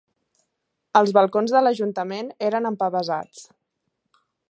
Els balcons de l'ajuntament eren empavesats.